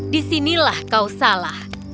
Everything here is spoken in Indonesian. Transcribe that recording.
di sini kau salah